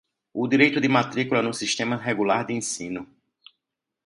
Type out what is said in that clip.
o direito de matrícula no sistema regular de ensino.